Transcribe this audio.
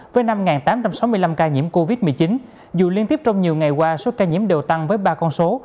với năm tám trăm sáu mươi năm ca nhiễm covid một mươi chín dù liên tiếp trong nhiều ngày qua số ca nhiễm đều tăng với ba con số